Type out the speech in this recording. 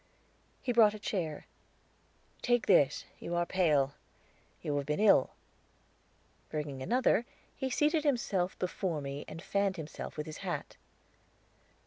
He brought a chair. "Take this; you are pale. You have been ill." Bringing another, he seated himself before me and fanned himself with his hat.